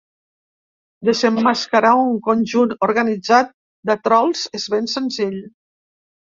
Desemmascarar un conjunt organitzat de trols és ben senzill.